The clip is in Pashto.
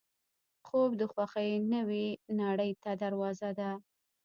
خوب د خوښۍ نوې نړۍ ته دروازه ده